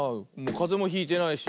かぜもひいてないし。